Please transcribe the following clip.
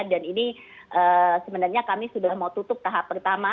dan ini sebenarnya kami sudah mau tutup tahap pertama